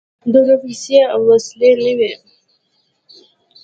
دومره پیسې او وسلې نه وې.